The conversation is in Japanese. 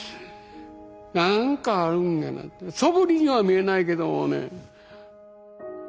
何かあるんやなそぶりには見えないけどね。